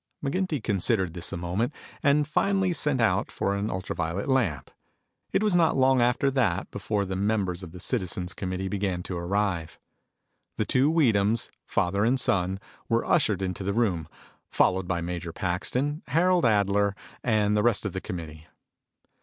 McGinty considered this a moment, and finally sent out for an ultra violet lamp. It was not long after that before the members of the citizens committee began to arrive. The two Weedhams, father and son, were ushered into the room, followed by Major Paxton, Harold Adler, and the rest of the committee.